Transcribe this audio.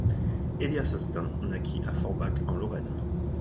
Elias Stein naquit à Forbach en Lorraine.